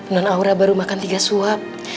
non aura baru makan tiga suap